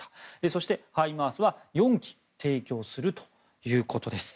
そして、ハイマースは４基提供するということです。